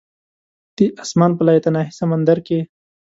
د اسمان په لایتناهي سمندر کې